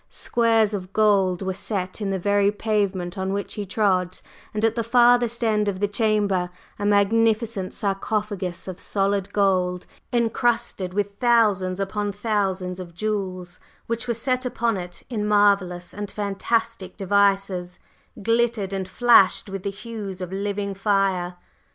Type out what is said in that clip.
Squares of gold were set in the very pavement on which he trod, and at the furthest end of the chamber, a magnificent sarcophagus of solid gold, encrusted with thousands upon thousands of jewels, which were set upon it in marvellous and fantastic devices, glittered and flashed with the hues of living fire.